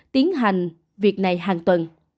tiến hành việc này hàng tuần